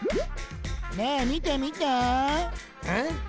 ねえみてみてえ？